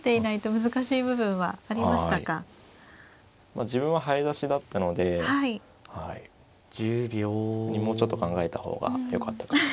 まあ自分は早指しだったのでもうちょっと考えた方がよかったかな。